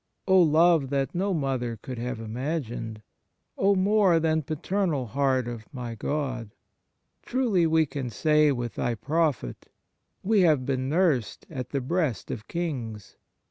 Oh love that no mother could have imagined ! Oh more than paternal heart of my God ! Truly we can say with Thy prophet: "We have been nursed at the breast of Kings."